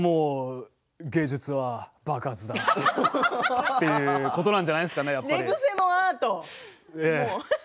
芸術は爆発だということなんじゃないですかね。